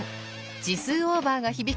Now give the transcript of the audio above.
字数オーバーが響き